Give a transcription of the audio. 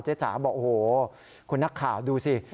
จ๋าบอกโอ้โหคุณนักข่าวดูสิ